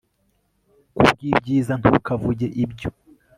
Kubwibyiza ntukavuge ibyo